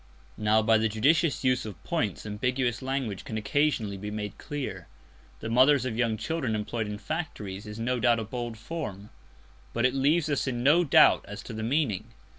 Now by the judicious use of points ambiguous language can occasionally be made clear. "The mothers of young children employed in factories" is no doubt a bold form, but it leaves us in no doubt as to the meaning.